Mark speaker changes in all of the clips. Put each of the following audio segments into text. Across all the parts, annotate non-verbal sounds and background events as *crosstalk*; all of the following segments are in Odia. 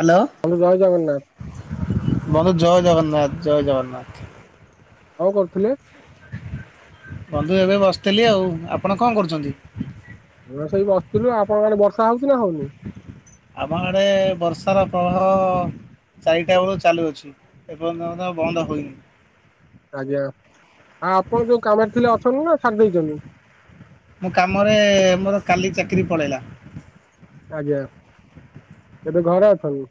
Speaker 1: ହ୍ୟାଲୋ।
Speaker 2: ଅନୁ ଜୟ ଜଗନ୍ନାଥ।
Speaker 1: ବନ୍ଧୁ ଜୟ ଜଗନ୍ନାଥ ଜୟ ଜଗନ୍ନାଥ।
Speaker 2: କ କରୁଥିଲେ?
Speaker 1: ବନ୍ଧୁ ଏବେ ବସିଥିଲି ଆଉ ଆପଣ କ କରୁଛନ୍ତି?
Speaker 2: ଇଏ ବସିଥିଲୁ ଆପଣ ମାନେ ଆଡେ ବର୍ଷା ହଉଛି ନା ହଉନି?
Speaker 1: ଆମ ଆଡ଼େ ବର୍ଷାର ପ୍ରଭାବ ଚାରିଟା ବେଳୁ ଚାଲୁଅଛି। ଏପର୍ଯ୍ୟନ୍ତ ମଧ୍ୟ ବନ୍ଦ ହୋଇନି।
Speaker 2: ଆଜ୍ଞା ଆଉ ଆପଣ ଯୋଉ କାମରେ ଥିଲେ ଅଛନ୍ତି ନା ଛାଡି ଦେଇଛନ୍ତି?
Speaker 1: ମୁଁ କାମରେ ମୋର କାଲି ଚାକିରି ପଳେଇଲା।
Speaker 2: ଆଜ୍ଞା ଏବେ ଘରେ ଅଛନ୍ତି।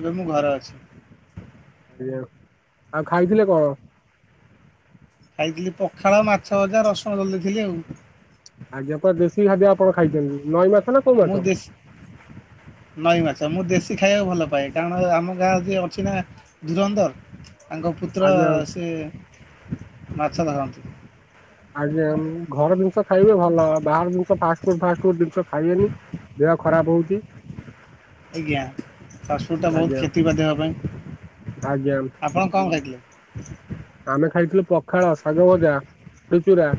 Speaker 1: ଏବେ ମୁଁ ଘରେ ଅଛି।
Speaker 2: ଆଉ ଖାଇଥିଲେ କ?
Speaker 1: ଖାଇଥିଲି ପଖାଳ ମାଛ ଭଜା ରସୁଣ ଦଳିଦେଇଥିଲି ଆଉ।
Speaker 2: ଆଜି ଅପା ଦେଶୀ ଖାଦ୍ୟ ଆପଣ ଖାଇଛନ୍ତି ନଈ ମାଛ ନା କୋଉ ମାଛ?
Speaker 1: ମୁଁ ଦିସ୍
Speaker 2: *inaudible*
Speaker 1: ନଈ ମାଛ ମୁଁ ଦେଶୀ ଖାଇବାକୁ ଭଲ ପାଏ କାରଣ ଆମ ଗାଁ ଯିଏ ଅଛି ନା ଧୁରନ୍ଧର ତାଙ୍କ ପୁତ୍ର
Speaker 2: ଆଜ୍ଞା
Speaker 1: ସେ ମାଛ ଧରନ୍ତି।
Speaker 2: ଆଜ୍ଞା ଘର ଜିନିଷ ଖାଇବେ ଭଲ ବାହାର ଜିନିଷ ଫାଷ୍ଟ ଫୁଡ୍ ଫାଷ୍ଟ ଫୁଡ୍ ଜିନିଷ ଖାଇବେନି ଦେହ ଖରାପ ହଉଛି।
Speaker 1: ଆଜ୍ଞା ଫାଷ୍ଟଫୁଡ଼୍ ଟା ବହୁତ
Speaker 2: ଆଜ୍ଞା
Speaker 1: କ୍ଷତି ବା ଦେହ ପାଇଁ।
Speaker 2: ଆଜ୍ଞା
Speaker 1: ଆପଣ କଣ ଖାଇଥିଲେ?
Speaker 2: ଆମେ ଖାଇଥିଲୁ ପଖାଳ, ଶାଗ ଭଜା, ବଢ଼ିଚୁରା।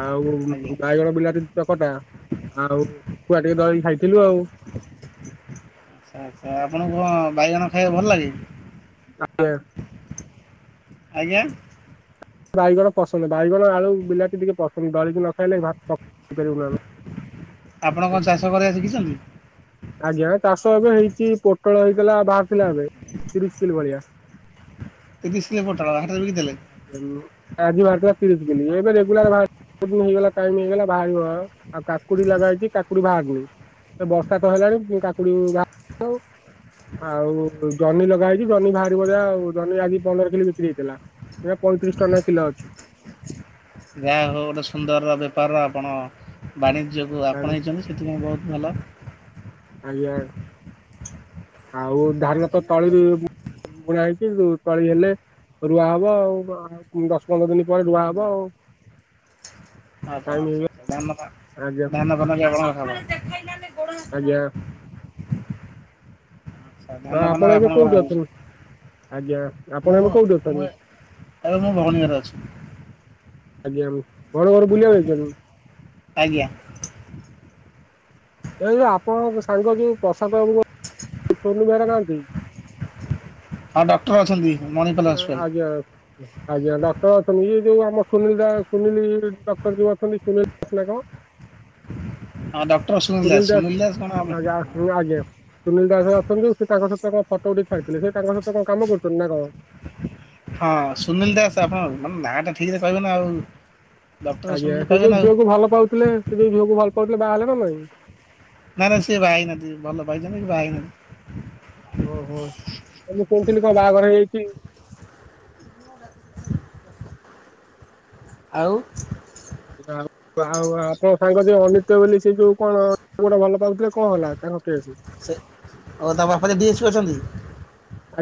Speaker 2: ଆଉ
Speaker 1: ଆଜ୍ଞା
Speaker 2: ବାଇଗଣ, ବିଲାତି ଚକଟା। ଆଉ ଖୁଆ ଟିକେ ନଗେଇକି ଖାଇଥିଲୁ ଆଉ *unintelligible*
Speaker 1: ଆଛା ଆଚ୍ଛା ଆପଣଙ୍କୁ କଣ ବାଇଗଣ ଖାଇବା ଭଲ ଲାଗେ?
Speaker 2: ଆଜ୍ଞା *unintelligible*
Speaker 1: ଆଜ୍ଞା।
Speaker 2: ମତେବାଇଗଣ ପସନ୍ଦ ବାଇଗଣ ଆଳୁ ବିଲାତି ଟିକେ ପସନ୍ଦ ଦଳିକି ନ ଖାଇଲେ ଭାତଖାଇପାରିବିନି। *unintelligible*
Speaker 1: ଆପଣ କଣ ଚାଷ କରିବା ଶିଖିଛନ୍ତି?
Speaker 2: ଆଜ୍ଞା ଚାଷ ଏବେ ହେଇଚି ପୋଟଳ ହେଇଥିଲା ବାହାରଥିଲା ଏବେ ତିରିଶ କିଲି ଭଳିଆ।
Speaker 1: ତିରିଶ କିଲୋ ପୋଟଳ
Speaker 2: ଆଉ
Speaker 1: ହାଟରେ ବିକିଦେଲେ
Speaker 2: *inaudible* ହୁଁ ଆଜି ବାହାର ଥିଲା ତିରିଶି କିଲେ ଏବେ ରେଗୁଲାର ବାହାର ସେ ଦିନୁ ହେଇଗଲା ଟାଇମି ହେଇଗଲା ବାହାରିବ ଆଉ କାକୁଡି ଲଗା ହେଇଛି କାକୁଡି ବାହାରନି ସେ ବସ୍‌ ବର୍ଷା ତ ହେଲାଣି କିଁ କାକୁଡି ବା ଆଉ ଜହ୍ନି ଲଗା ହେଇଛି ଜହ୍ନି ବାହାରିବ ଯାହା ଆଉ ଜହ୍ନି ଆଜି ପନ୍ଦର କିଲି ବିକ୍ରି ହେଇଥିଲା। ଏବେ ପଇଁତିରିଶ ଟଙ୍କା ନେଖା କିଲ ଅଛି।
Speaker 1: ଯା ହଉ ଗୋଟେ ସୁନ୍ଦର ବେପାର ଆପଣ ବାଣିଜ୍ୟକୁ ଆପଣେଇଛନ୍ତି। ସେଥିପାଇଁ ବହୁତ୍ ଭଲ।
Speaker 2: ଆଜ୍ଞା ଆଉ ଧାନ ତ ତଳିରୁ ହି ବୁ -ବୁଣା ହେଇ *unintelligible* କି ଯୋଉ ତଳି ହେଲେ ରୁଆ ହବ ଆଉ ବା କୁ ଦଶ ପନ୍ଦର ଦିନ ପରେ ରୁଆ ହବ ଆଉ। *inaudible*
Speaker 1: ଆଉ କଣ
Speaker 2: ଟାଇମ
Speaker 1: ଅଛି
Speaker 2: ହେଇଗ
Speaker 1: ଧାନ ପା
Speaker 2: ଆଜ୍ଞା
Speaker 1: ଧାନ ଫାନ କି ଆମର କଣ କାମ
Speaker 2: ଆଜ୍ଞା
Speaker 1: *unintelligible*
Speaker 2: ମା
Speaker 1: ଫାନ
Speaker 2: ଆପଣ ଏବେ
Speaker 1: ଆପଣଙ୍କର
Speaker 2: କୋଉଠି
Speaker 1: ହଉଛି
Speaker 2: ଅଛନ୍ତି? ଆଜ୍ଞା,
Speaker 1: ମୁଁ
Speaker 2: ଆପଣ ଏବେ କୋଉଠି
Speaker 1: ମୁଁ
Speaker 2: ଅଛନ୍ତି?
Speaker 1: ଏବେ ମୋ ଭଉଣୀ ଘରେ ଅଛି
Speaker 2: ଆଜ୍ଞା, ଘର ଘର ବୁଲିଆକୁ ଯାଇଛନି?
Speaker 1: ଆଜ୍ଞା।
Speaker 2: ଏଇ ଯୋଉ ଆପଣଙ୍କ ସାଙ୍ଗ ଯୋଉ ପ୍ରସାଦ ବାବୁ ଘ ପୂର୍ଣ୍ଣିମା ଘରେ ଖାଆନ୍ତି *unintelligible*
Speaker 1: ହଁ ଡକ୍ଟର ଅଛନ୍ତି ମଣିପାଲ୍ ହସ୍ପିଟାଲ୍।
Speaker 2: ଆଜ୍ଞା ଆଜ୍ଞା ଡକ୍ଟର ଅଛନ୍ତି ଇଏ ଯୋଉ ଆମ ସୁନୀଲ୍ ଦା ସୁନୀଲ୍ ଡକ୍ଟର ଯୋଉ ଅଛନ୍ତି ସୁନୀଲ ଦାସ୍ ନା କଣ?
Speaker 1: ହଁ ଡକ୍ଟର ସୁନୀଲ ଦାସ୍ ସୁନୀଲ୍ ଦାସ୍ କଣ ଆଉ ମୁଁ
Speaker 2: ହୁଁ ଆଜ୍ଞା ସୁନୀଲ୍ ଦାସ୍ ଅଛନ୍ତି ସେ ତାଙ୍କ ସହିତ କଁ ଫଟ ଉଠେଇ ଛାଡିଥିଲେ ସେ ତାଙ୍କ ସହିତ କଁ କାମ କରୁଛନ୍ତି ନା କଣ?
Speaker 1: ହଁ ସୁନଲ୍ ଦାସ୍ ଆପଣ ହଁ ନାଁ ଟା ଠିକ୍ ସେ କହିବେ ନା ଆଉ। ଡକ୍ଟର
Speaker 2: ଆଜ୍ଞା
Speaker 1: ଶୁଣିଲି
Speaker 2: ସେ
Speaker 1: କହିବେ
Speaker 2: ଯୋଉ
Speaker 1: ନା ଆଉ
Speaker 2: ଝିଅକୁ ଭଲ ପାଉଥିଲେ ସେ ଯୋଉ ଝିଅକୁ ଭଲ ପାଉଥିଲେ ବାହା ହେଲେ ନା ନାଇଁ?
Speaker 1: ନା ନା ସିଏ ବାହା ହେଇନାହାନ୍ତି ଭଲ ପାଇଛନ୍ତି କିନ୍ତୁ ବାହା ହେଇନାହାନ୍ତି।
Speaker 2: ଓହୋ ମୁଁ କହୁଥିଲି କଁ ବାହାଘର ହେଇଯାଇଚି
Speaker 1: ଆଉ?
Speaker 2: ଯାହା ଆଉ ଆପଣ ସାଙ୍ଗ ଯିଏ ଅନିତା ବୋଲି ସେଯୋଉ କଣ ପୁଅଟା ଭଲ ପାଉଥିଲେ କଣ ହେଲା ତାଙ୍କ କେସ୍?
Speaker 1: ସେ ଓ ତମ ବାପା *unintelligible* ଡିଏସ୍ପି ଅଛନ୍ତି।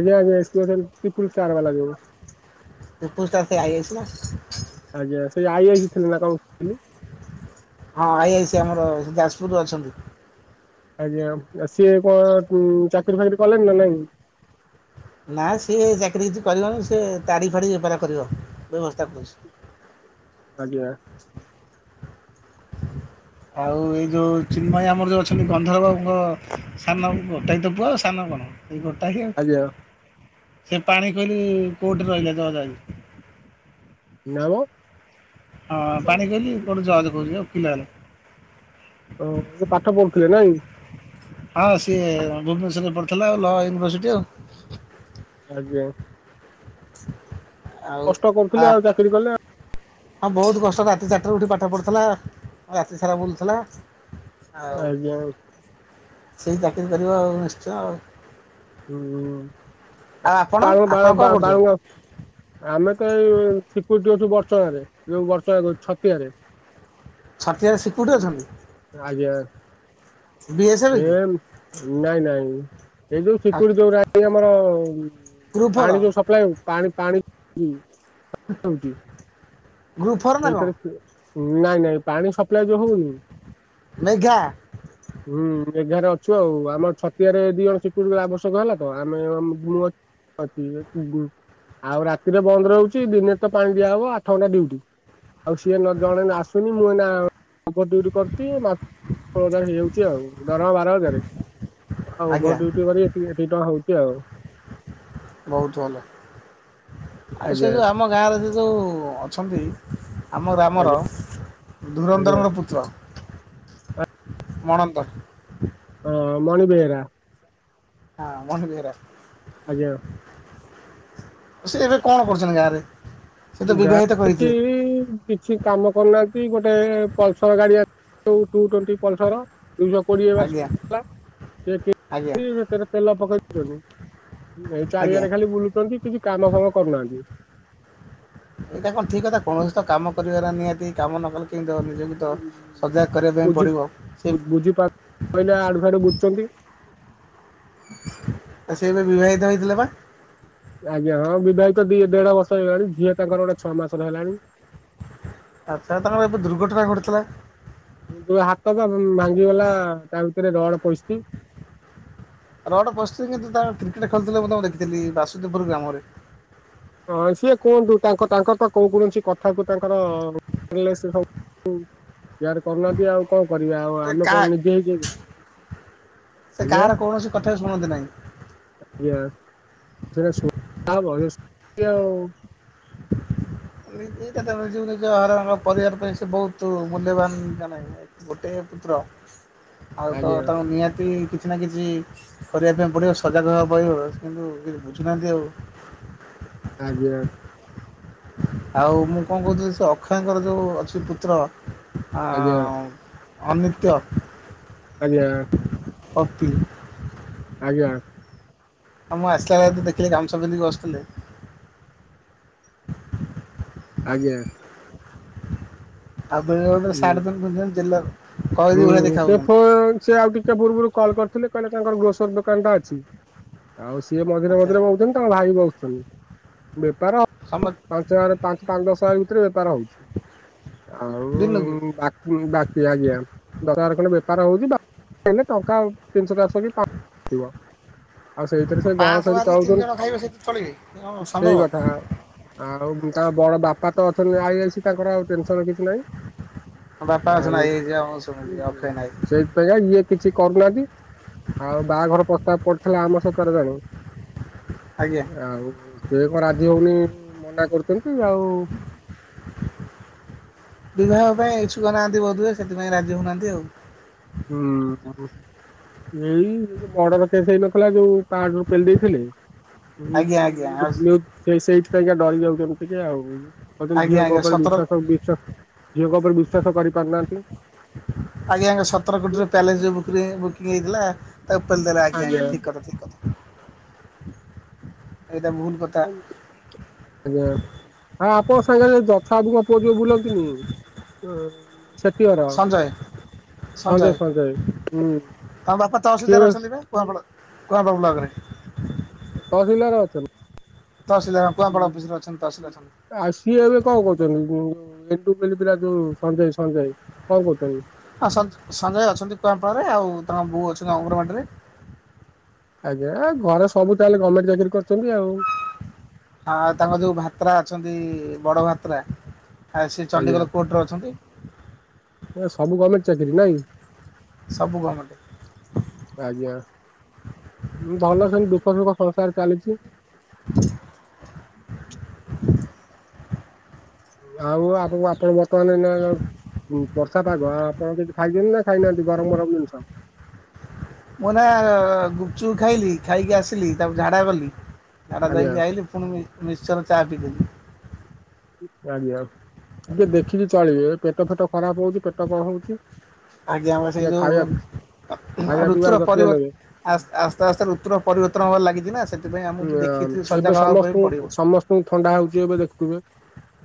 Speaker 2: ଆଜ୍ଞ ଆଜ୍ଞା ଏସ୍କିମୋଟୋଲ ପିକୁଲ୍ ଷ୍ଟାର ବାଲା ଯୋଉ।
Speaker 1: ଉପୁ ଷ୍ଟାଫେ ଆଇ ଆଇ ସି ନା।
Speaker 2: ଆଜ୍ଞା ସେ ଆଇ ଆଇ ସି ଥିଲେନା କ
Speaker 1: ହଁ ଆଇ ଆଇ ସି ଆମର ଯାଜପୁରରେ ଅଛନ୍ତି।
Speaker 2: ଆଜ୍ଞା ଆ ସିଏ କଁ କୁଁ ଚାକିରି ଫାକିରି କଲେଣିନା ନାଇଁ?
Speaker 1: ନା ସିଏ ଚାକିରି କିଛି କରିବନି ସେ ତାଡ଼ି ଫାଡ଼ି ବେପାର କରିବ ବ୍ୟବସ୍ଥା କରୁଚି।
Speaker 2: ଆଜ୍ଞା। *inaudible*
Speaker 1: ଆଉ ଏଇ ଯୋଉ ଚିନ୍ମୟୀ ଆମର ଯୋଉ ଅଛନ୍ତି ଗନ୍ଧରବାବୁଙ୍କ ସାନ ଗୋଟାଏତ ପୁଅ ଆଉ ସାନ କଣ? ଏଇ ଗୋଟାକି
Speaker 2: ଆଜ୍ଞା
Speaker 1: ଆଉ ସେ ପାଣି କୋଇଲି କୋର୍ଟରେ ରହିଲା ଜଜ୍‌ ଆଜି।
Speaker 2: ନାଁ ମ।
Speaker 1: ହଁ ପାଣି କୋଇଲି କୋଉଠୁ ଜଜ୍‌ କହୁଚି ଏ ଓକିଲ ହେଲା।
Speaker 2: ଓ ଏ ପାଠ ପଢ଼ୁଥିଲେ ନାଇଁ?
Speaker 1: ହଁ ସିଏ ଭୁବନେଶ୍ଵରରେ ପଢ଼ିଥିଲା ଲ ୟୁନିଭରସିଟି ଆଉା।
Speaker 2: ଆଜ୍ଞା।
Speaker 1: ଆଉ
Speaker 2: କଷ୍ଟ କରୁଥିଲେ
Speaker 1: ଆ
Speaker 2: ଆଉ ଚାକିରି କଲେ
Speaker 1: ହଁ ବହୁତ୍ କଷ୍ଟ ରାତି ଚାରିଟାରେ ଉଠି ପାଠ ପଢ଼ୁଥିଲା ରାତି ସାରା ବୁଲୁଥିଲା। ଆଉ
Speaker 2: ଆଜ୍ଞା।
Speaker 1: ସେଇ ଚାକିରି କରିବା ଆଉ ନିଶ୍ଚୟ ଆଉ। ଆଉ
Speaker 2: ହୁଁ
Speaker 1: ଆପଣ ଆପଣ କଣ କରୁଛନ୍ତି
Speaker 2: *unintelligible* ଆମେତ ଏଇ ସିକୁରୁଟି ଡିୟୁଟି କରୁଚୁ ବର୍ଷଣରେ ଯୋଉ ବର୍ଷ ଛତିଆରେ
Speaker 1: ଛତିଆରେ ସିକୁରିଟି ଅଛନ୍ତି? ବି ଏସ୍ ଏଫ୍
Speaker 2: ସେ
Speaker 1: କି
Speaker 2: ନାଇଁ ନାଇଁ ଏଇ ଯୋଉ ସକୁରି ଯୋଉରା ଆମର
Speaker 1: ଗ୍ରୁପ୍ ଫୋର୍
Speaker 2: ପାଣି ଯୋଉ ସପ୍ଲାଏ ପାଣି ପାଣି ହୁଁ।
Speaker 1: ଗ୍ରୁପ୍ ଫୋର୍ ନା କଣ
Speaker 2: ସେଥିରେ ନାଇଁ ନାଇଁ ପାଣି ସପ୍ଲାଏ ଯୋଉ ହଉନି
Speaker 1: ମେଘା
Speaker 2: ହୁଁ ମେଘାରେ ଅଛୁ ଆଉ ଆମର ଛତିଆରେ ଦି ଜଣ ସିକୁରୁଟି ଆବଶ୍ୟକ ହେଲାତ ଆମେ ମୁ ଅଛି ଆଉ ରାତିରେ ବନ୍ଦ ରହୁଚି ଦିନେରେତ ପାଣି ଦିଆହବ ଆଠ ଘଣ୍ଟା ଡିଉଟି। ଆଉ ସିଏ ଜଣେ ଆସୁନି ମୁଁ ଏଇନା ତାଙ୍କର ଡିୟୁଟି କରୁଚି ମା ହେଇଯାଉ ଆଉ ଦରମା ବାର ହଜାରେ ଆଉ
Speaker 1: ଆଜ୍ଞା
Speaker 2: ଓଭୋର ଡିଉଟି କରି ଏତି ଏତିକି ଟଙ୍କା ହଉଚି ଆଉ।
Speaker 1: ବହୁତ୍ ଭଲ ଆଉ ସେ
Speaker 2: ଆଜ୍ଞା
Speaker 1: ଯେଉଁ ଆମ ଗାଁରେ ସେଯୋଉ ଅଛନ୍ତି ଆମ ଗ୍ରାମର
Speaker 2: ଆଜ୍ଞା ଆଜ୍ଞା
Speaker 1: ଧୁରନ୍ଧରର ପୁତ୍ର ମଣନ୍ତ
Speaker 2: ହଁ ମଣି ବେହରା।
Speaker 1: ହଁ ମଣି ବେହେରା।
Speaker 2: ଆଜ୍ଞା।
Speaker 1: ସେ ଏବେ କଣ କରୁଚନ୍ତି ଗାଁରେ? ସେ ତ
Speaker 2: *unintelligible*
Speaker 1: ବିବାହିତ କରିଥିଲେ
Speaker 2: ସି କାମ କରୁନାହାନ୍ତି ଗୋଟେ ପଲସର୍ ଗାଡ଼ି ଟୁ ଟ୍ୱଣ୍ଟି ପଲସର୍ ଦିଇଶହ କୋଡ଼ିଏ ବର୍ଷ
Speaker 1: ଆଜ୍ଞା
Speaker 2: ହେଲା ସେ
Speaker 1: ଆଜ୍ଞା
Speaker 2: ସେଥିରେ ତେଲ ପକେଇ ଦଉଚନ୍ତି ଏଇ
Speaker 1: ଆଜ୍ଞା
Speaker 2: ଚାରିଆରେ ଖାଲି ବୁଲୁଚନ୍ତି କିଛି କାମ ଫାମ କରୁନାହାନ୍ତି।
Speaker 1: ଏଇଟା କଣ ଠିକ୍ କଥା କୌଣସିତ କାମ କରିବାର ନିହାତି କାମ ନକଲେ କି ତ ନିଜକୁ ତ ସଜାଗ କରିବା ପାଇଁ ପଡ଼ିବ ସେ
Speaker 2: କହିଲା ଆଡୁ ଫଡୁ ବୁଝୁଛନ୍ତି।
Speaker 1: ଆ ସେ ଏବେ ବିବାହିତ ହେଇଥିଲେ ବା?
Speaker 2: ଆଜ୍ଞା ହଁ ବିବାହିତ ଦି ଦେଢ ବର୍ଷ ହେଇଗଲାଣି। ଝିଅ ତାଙ୍କର ଗୋଟେ ଛଅ ମାସରେ ହେଲାଣି।
Speaker 1: ଆଛା ତାଙ୍କର ଏବେ ଦୁର୍ଘଟଣା ଘଟଥିଲା?
Speaker 2: ଯୋଉ ହାତ ବା ଭାଙ୍ଗିଗଲା ତା ଭିତରେ ରଡ ପସଛି।
Speaker 1: ରଡ ପସଛି କିନ୍ତୁ ତାର କ୍ରିକେଟ ଖେଳୁଥିଲେ ମୁଁ ତ *unintelligible* ଦେଖଥିଲି ବାସୁଦପୁର ଗ୍ରାମରେ।
Speaker 2: ହଁ ସିଏ କୁହନ୍ତୁ ତାଙ୍କ ତାଙ୍କର ତ କୋଉ କୌଣସି କଥାକୁ ତାଙ୍କର ୟାର କରୁନାହାନ୍ତି ଆଉ କଣ କରିବି ଆଉ
Speaker 1: ଏ
Speaker 2: ଆମେ
Speaker 1: କାହା
Speaker 2: କଣ ନିଜେ *unintelligible*
Speaker 1: ସେ
Speaker 2: ଆଜ୍ଞା
Speaker 1: କାହାର କୌଣସି କଥା ଶୁଣନ୍ତି ନାହିଁ।
Speaker 2: ଆଜ୍ଞା *unintelligible* ହଉ
Speaker 1: *unintelligible* ପରିବାର ପାଇଁ ସେ ବହୁତ ମୂଲ୍ୟବାନ ଆମେ। ଗୋଟେ ପୁତ୍ର, ଆଉ ତ
Speaker 2: ଆଜ୍ଞା
Speaker 1: ତାଙ୍କୁ ନିହାତି କିଛି ନା କିଛି କରିବା ପାଇଁ ପଡ଼ିବ ସଜାଗ ହେ ବଡ଼ିବ କିନ୍ତୁ କିଛି ବୁଝୁନାହାନ୍ତି ଆଉ।
Speaker 2: ଆଜ୍ଞା।
Speaker 1: ଆଉ ମୁଁ କଣ କହୁଥିଲି ସେ ଅକ୍ଷୟଙ୍କର ଯେଉଁ ଅଛି ପୁତ୍ର ଆଉ ଅନିତ୍ୟ
Speaker 2: ଆଜ୍ଞା।
Speaker 1: ଓକି
Speaker 2: ଆଜ୍ଞା।
Speaker 1: ଆ ମୁଁ ଆସିଲା ବେଳେ ତ ଦେଖିଲି ଗାମଛା ପିନ୍ଧିକି ବସୁଥିଲେ।
Speaker 2: ଆଜ୍ଞା। ହୁଁ।
Speaker 1: *unintelligible* କଏଦୀ ଭଳିଆ
Speaker 2: ହୁଁ ସେ
Speaker 1: ଦେଖାଯାଉଛନ୍ତି
Speaker 2: *unintelligible* ଆଉ ଟିକେ ପୂର୍ବରୁ କଲ୍ କରିଥିଲେ କହିଲେ ତାଙ୍କର ଗ୍ରୋସର ଦୋକାନ ଟା ଅଛି। ଆଉ ସିଏ ମଝିରେ
Speaker 1: ଆଚ୍ଛା
Speaker 2: ମଝିରେ ବଉଛନ୍ତି ତାଙ୍କ ଭାଇ ବି ବସୁଛନ୍ତି ବେପାର
Speaker 1: ସମସ୍ତେ
Speaker 2: ପାଞ୍ଚ ହଜାର ପାଞ୍ଚ ପାଞ୍ଚ ଦଶ ହଜାର ଭିତରେ ବେପାର ହଉଛି।
Speaker 1: ଦିନକୁ
Speaker 2: ଆଉ ବା ହୁଁ ବାକି ଆଜ୍ଞା। ଦଶ ହଜାର ଖଣ୍ଡେ ବେପାର ହଉଛି ବାକି ହେଲେ ଟଙ୍କା ତିନିଶହ ଚାରିଶହ କି ପା ଥିବ ଆଉ ସେଇଥିରେ ସେ ଘର
Speaker 1: ପାଞ୍ଚଶହ
Speaker 2: ସେମିତି
Speaker 1: ବାହାରିକି ତିନି ଜଣ ଖାଇବେ ସେଠି ଚଳିବେ କଣ
Speaker 2: ଚଳୁଉଛନ୍ତି
Speaker 1: ସମ୍ଭବ
Speaker 2: ସେଇ କଥା ଆଉ ତାଙ୍କ ବଡ ବାପା ତ ଅଛନ୍ତି ଆଇ ଅଛି ତାଙ୍କର ଆଉ ଟେନସନ କିଛି ନାହିଁ।
Speaker 1: ବାପା ଅଛନ୍ତି
Speaker 2: ଆଉ
Speaker 1: ଭାଇ ଅଛି ଆମର ସବୁ
Speaker 2: ହୁଁ ସେଇ ସେଇଆ ଇଏ କିଛି କରୁନାହାନ୍ତି। ଆଉ ବାହାଘର ପ୍ରସ୍ତାବ ପଡିଥିଲା ଆମ ସେକରେ ଜଣେ
Speaker 1: ଆଜ୍ଞା
Speaker 2: ଆଉ ସିଏ କଣ ରାଜି ହଉନି ମନା କରୁଛନ୍ତି ଆଉ
Speaker 1: ବିବାହ ପାଇଁ ଇଛୁକ ନାହାନ୍ତି ବୋଧ ସେଥିପାଇଁ ରାଜି ହଉନାହାନ୍ତି ଆଉ।
Speaker 2: ହୁଁ ହୁଁ। ଏଇ ଯୋଉ ଏଇ ମର୍ଡର କେସ୍ ହେଇନଥିଲା ଯୋଉ ପାହାଡରୁ ପେଲି ଦେଇଥିଲେ।
Speaker 1: ଆଜ୍ଞା
Speaker 2: ଏଥିଯୋଉ
Speaker 1: ଆଜ୍ଞା
Speaker 2: ନ୍ଯୁଜ *unintelligible* ସେଇ ସେଇଥିପାଇଁକା ଡରି ଯାଉଛନ୍ତି ଟିକେ ଆଉ କହୁଛନ୍ତି
Speaker 1: ଆଜ୍ଞା
Speaker 2: ଝିଅଙ୍କ
Speaker 1: ଆଜ୍ଞା
Speaker 2: ଉପରେ
Speaker 1: ସତର
Speaker 2: ବିଶ୍ୱାସ ବିଶ୍ଵାସ ଝିଅଙ୍କ ଉପରେ ବିଶ୍ୱାସ କରି ପାରୁନାହାନ୍ତି।
Speaker 1: ଆଜ୍ଞା ସତର କୋଟିରେ ପ୍ୟାଲେସ ଯୋଉ ବୁକରି ବୁକିଂ ହେଇଥିଲା ତାକୁ ପେଲିଦେଲେ ଆଜ୍ଞା ଠିକ୍ କଥା ଠିକ କଥା। ଏଇଟା ଭୁଲ କ
Speaker 2: ଆଜ୍ଞା ହଁ ଆପଣ ସାଙ୍ଗରେ ଯଥାଆବୁଙ୍କ ପୁଅ ଯୋଉ ବୁଲନ୍ତିନି। ହୁଁ ସେତ
Speaker 1: ସଞ୍ଜୟ ସଞ୍ଜୟ
Speaker 2: *unintelligible*
Speaker 1: କୁଆପାଳ କୁଆପାଳ ବ୍ଲକରେ
Speaker 2: ତହସିଲଦାର ଅଛନ୍ତି।
Speaker 1: ତହସିଲଦାର କୁଆପାଳ ଅଫିସରେ ଅଛନ୍ତି ତହସିଲ ଅଛନ୍ତି।
Speaker 2: ଆଉ ସିଏ ଏବେ କଣ କହୁଛନ୍ତି *unintelligible* ଯୋଉ ସଞ୍ଜୟ ସଞ୍ଜୟ କଣ କହୁଛନ୍ତି।
Speaker 1: ହଁ ସଞ୍ଜ ସଞ୍ଜୟ ଅଛନ୍ତି, କୁଆଁପାଳରେ ଆଉ ତାଙ୍କ ବୋଉ ଅଛନ୍ତି ଅଙ୍ଗନବାଡ଼ି ରେ
Speaker 2: ଆଜ୍ଞା ଏଁ ଘରେ ସବୁ ତାହେଲେ ଗର୍ମେଣ୍ଟ ଚାକିରି କରିଛନ୍ତି ଆଉ
Speaker 1: ଆଁ ତାଙ୍କ ଯୋଉ ଭାତ୍ରା ଅଛନ୍ତି ବଡ଼ ଭାତ୍ରା ଏଁ ସିଏ
Speaker 2: ଆଜ୍ଞା
Speaker 1: ଚଣ୍ଡିଖୋଲ କୋର୍ଟରେ ଅଛନ୍ତି।
Speaker 2: ପୁରା ସବୁ ଗର୍ମେଣ୍ଟ ଚାକିରୀ ନାଇଁ
Speaker 1: ସବୁ ଗର୍ମେଣ୍ଟେ।
Speaker 2: ଆଜ୍ଞା ଭଲ ସେମିତି ଦୁଃଖ ସୁଖ ସଂସାର ଚାଲିଚି। ଆଉ ଆଗକୁ ଆପଣ ବର୍ତ୍ତମାନ ଏଇନା *inaudible* ହୁଁ ବର୍ଷା ପାଗ ଆ ଆପଣ କିଛି ଖାଇଛନ୍ତି ନା ଖାଇନାହାନ୍ତି ଗରମ ଗରମ ଜିନିଷ
Speaker 1: ମୁଁ ନା ଗୁପଚୁପ ଖାଇଲି, ଖାଇକି ଆସିଲି ତାପରେ ଝାଡ଼ା ଗଲି। ଝାଡା
Speaker 2: ଆଜ୍ଞା
Speaker 1: ଯାଇକି ଆଇଲି ପୁଣି ମି ମିଶ୍ଚର ଚା ପିିଇଦେଲି।
Speaker 2: ଆଜ୍ଞା ଟିକେ ଦେଖିକି ଚଳିବେ ଏ ପେଟ ଫେଟ ଖରାପ ହଉଛି ପେଟ କଣ ହଉଛି।
Speaker 1: ଆଜ୍ଞା ବା ସେଇ
Speaker 2: ଟିକେ
Speaker 1: ଯୋଉ
Speaker 2: ଖାଇବା
Speaker 1: ଅ
Speaker 2: ଖାଇବା ପିଇବାର
Speaker 1: ଋତୁର
Speaker 2: ଯତ୍ନ
Speaker 1: ପରିବର୍ତ୍ତ
Speaker 2: ନେବେ।
Speaker 1: ଆସ୍ତ ଆସ୍ତେ ଆସ୍ତେ ଋତୁର ପରିବର୍ତ୍ତନ ହବାର ଲାଗିଛି ନା ସେ
Speaker 2: *unintelligible* ସମସ୍ତଙ୍କୁ ସମସ୍ତଙ୍କୁ ଥଣ୍ଡା ହଉଛି ଏବେ ଦେଖୁଥିବେ।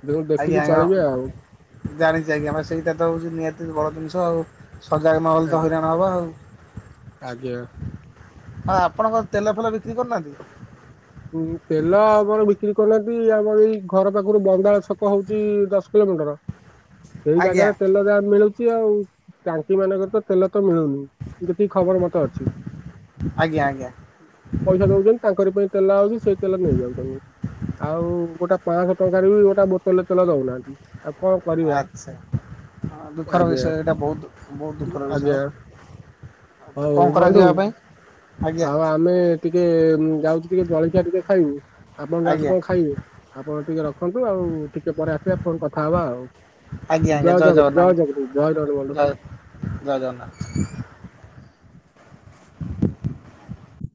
Speaker 2: ତେଣୁ
Speaker 1: ଆଜ୍ଞା
Speaker 2: ଦେଖିକି
Speaker 1: ଆଜ୍ଞା
Speaker 2: ଚଳିବେ ଆଉ।
Speaker 1: ଅଁ ଜାଣିଛି ଆଜ୍ଞା ହଁ ସେଇଟା ତ ହେଉଛି ନିହାତି ବଡ଼ ଜିନିଷ ଆଉ। ସଜାଗ ନହେଲେ ତ ହଇରାଣ ହବା ଆଉ।
Speaker 2: ଆଜ୍ଞା।
Speaker 1: ଅଁ ଆପଣଙ୍କ କଣ ତେଲ ଫେଲ ବିକ୍ରି କରୁନାହାଁନ୍ତି।
Speaker 2: ଉଁ ତେଲ ଆମର ବିକ୍ରି କରୁନାହାନ୍ତି ଆମର ଏଇ ଘର ପାଖରୁ ବନ୍ଦାଳ ଛକ ହଉଛି ଦଶ କିଲୋମିଟର୍। ସେଇ
Speaker 1: ଆଜ୍ଞା
Speaker 2: ଜାଗାରେ ତେଲ ଯା ମିଳୁଛି ଆଉ ଟାଙ୍କି ମାନଙ୍କରେ ତ ତେଲ ତ ମିଳୁନି। ଯେତିକି ଖବର ମତେ ଅଛି
Speaker 1: ଆଜ୍ଞା ଆଜ୍ଞା
Speaker 2: ପଇସା ଦଉଛନ୍ତି ତାଙ୍କରି ପାଇଁ। ତେଲ ଆଉଛି ସେଇ ତେଲ ନେଇଯାଉଚନି। ଆଉ ଗୋଟା ପାଞ୍ଚଶହ ଟଙ୍କାରେ ବି ଗୋଟା ବୋତଲେ ତେଲ ଦଉନାହାନ୍ତି। ଆଉ କଣ କରିବା।
Speaker 1: ଆଚ୍ଛା। ଦୁଃଖର
Speaker 2: ଆଜ୍ଞା
Speaker 1: ବିଷୟ ଏଇଟା ବହୁତ, ବହୁତ ଦୁଃଖର ବିଷୟ।
Speaker 2: ଆଜ୍ଞା
Speaker 1: ତ
Speaker 2: ହଉ
Speaker 1: କଣ
Speaker 2: ବନ୍ଧୁ
Speaker 1: କରାଯିବ ଆ ପାଇଁ। ଆଜ୍ଞା
Speaker 2: ଆଉ ଆମେ ଟିକେ ଯାଉଛୁ ଟିକେ ଜଳଖିଆ ଟିକେ ଖାଇବୁ ଆପଣ ଯାଆନ୍ତୁ
Speaker 1: ଆଜ୍ଞା
Speaker 2: କଣ ଖାଇବେ। ଆପଣ ଟିକେ ରଖନ୍ତୁ ଆଉ ଟିକେ ପରେ ଆସିବା ଫୁଣି କଥା ହବା
Speaker 1: ଆଜ୍ଞା ଆଜ୍ଞା ଜୟ ଜଗନ୍ନାଥ
Speaker 2: ଆଉ। *unintelligible*
Speaker 1: ଜୟ ଜୟ ଜଗନ୍ନାଥ। *inaudible*